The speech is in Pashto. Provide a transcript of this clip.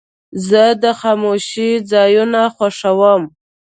زه د خاموشۍ ځایونه خوښوم.